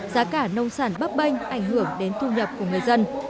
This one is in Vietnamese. giá cả nông sản bấp bênh ảnh hưởng đến thu nhập của người dân